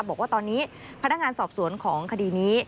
บอกว่าตอนนี้พนักงานสอบสวนของคดีนี้